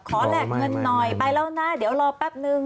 แลกเงินหน่อยไปแล้วนะเดี๋ยวรอแป๊บนึง